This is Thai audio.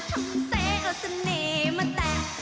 ช่องแสงก็สนิมมาแตะ